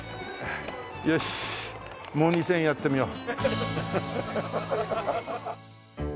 よしもう２０００円やってみよう。